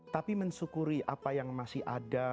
tapi mensyukuri apa yang masuk ke dalam hidup kita